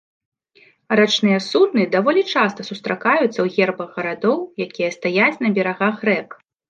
Рачныя судны даволі часта сустракаюцца ў гербах гарадоў, якія стаяць на берагах рэк.